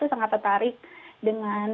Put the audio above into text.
sangat tertarik dengan